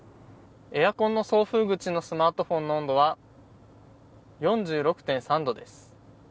エアコンの送風口のスマートフォンの温度は４６度です。